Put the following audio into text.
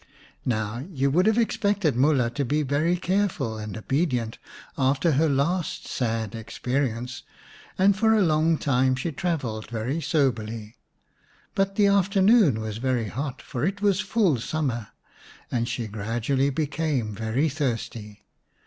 229 The Beauty and the Beast xix very careful and obedient after her last sad experience, and for a long time she travelled very soberly. But the afternoon was very hot, for it was full summer, and she gradually became very thirsty.